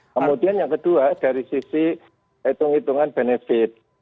kemudian yang kedua dari sisi hitung hitungan benefit